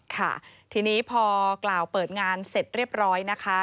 ค่ะทีนี้พอกล่าวเปิดงานเสร็จเรียบร้อยนะคะ